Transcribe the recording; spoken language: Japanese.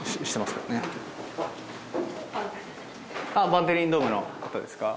バンテリンドームの方ですか？